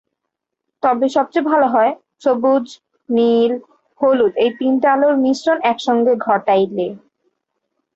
তবে সবচেয়ে ভালো হয়, সবুজ, নীল, হলুদ-এই তিনটি আলোর মিশ্রণ একসঙ্গে ঘটালে।